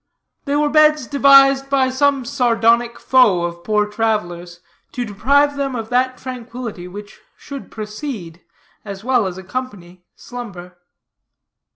They were beds devised by some sardonic foe of poor travelers, to deprive them of that tranquility which should precede, as well as accompany, slumber.